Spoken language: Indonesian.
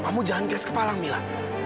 kamu jangan gas kepala mila